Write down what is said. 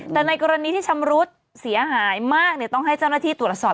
แต่ในกรณีที่ชำรุดเสียหายมากต้องให้เจ้าหน้าที่ตรวจสอบ